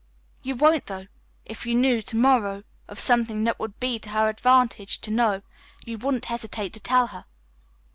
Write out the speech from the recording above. You won't, though. If you knew, to morrow, of something that would be to her advantage to know, you wouldn't hesitate to tell her."